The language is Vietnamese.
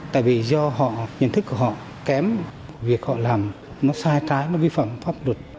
tại vì do họ nhận thức của họ kém việc họ làm nó sai trái nó vi phạm pháp luật